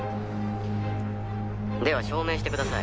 「では証明してください」